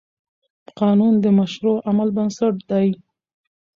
قانون د مشروع عمل بنسټ دی.